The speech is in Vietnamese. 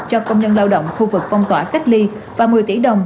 cho công nhân lao động khu vực phong tỏa cách ly và một mươi tỷ đồng